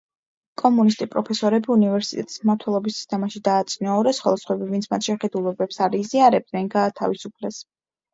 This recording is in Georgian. კომუნისტი პროფესორები უნივერსიტეტის მმართველობის სისტემაში დააწინაურეს, ხოლო სხვები ვინც მათ შეხედულებებს არ იზიარებდნენ, გაათავისუფლეს.